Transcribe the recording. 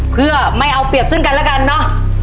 เพื่อไม่เอาเปรียบซึ่งกันแล้วกันเนอะ